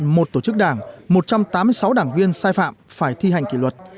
một tổ chức đảng một trăm tám mươi sáu đảng viên sai phạm phải thi hành kỷ luật